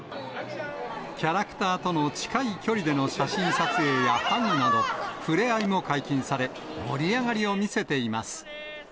キャラクターとの近い距離での写真撮影やハグなど、触れ合いも解禁され、盛り上がりを見せています。